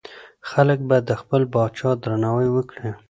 خلګ بايد د خپل پاچا درناوی وکړي.